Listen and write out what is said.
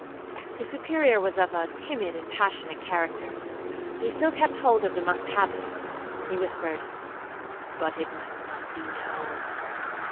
The Superior was of a timid and passionate character. He still kept hold of the monk's habit;—he whispered, 'But it must not be known.'